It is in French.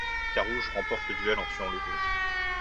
Carrouges remporte le duel en tuant Le Gris.